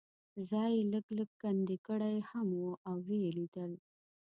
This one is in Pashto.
ځای یې لږ لږ کندې کړی هم و او یې لیدل.